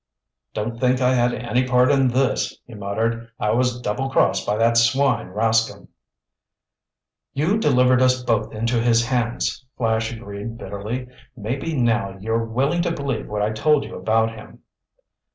"Don't think I had any part in this!" he muttered. "I was double crossed by that swine, Rascomb!" "You delivered us both into his hands," Flash agreed bitterly. "Maybe now you're willing to believe what I told you about him."